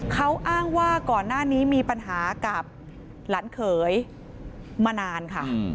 เขาอ้างว่าก่อนหน้านี้มีปัญหากับหลานเขยมานานค่ะ